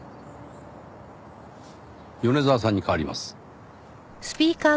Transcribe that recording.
米沢さんに代わります。